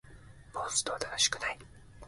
モンストは楽しくない